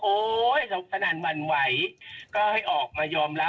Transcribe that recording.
ก็ให้ออกมาย่อมรับว่า